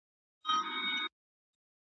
پام چي توی نه کړې مرغلیني اوښکي .